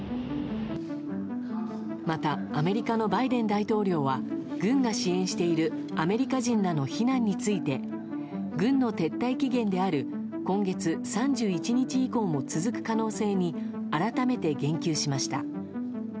またアメリカのバイデン大統領は軍が支援しているアメリカ人らの避難について軍の撤退期限である今月３１日以降も続く可能性に改めて言及しました。